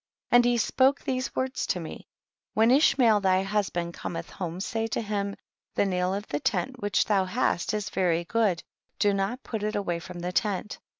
47. And he spoke these words to me ; when Ishmael thy husband cometh home say to him, the nail of the tent which thou hast is very good, do not put it away from the tent.